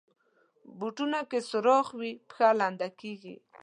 بوټونه که سوراخ وي، پښه لنده کېږي.